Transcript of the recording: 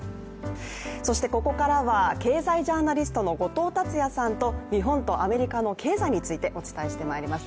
そしてここからは経済ジャーナリストの後藤達也さんと日本とアメリカの経済についてお伝えしてまいります。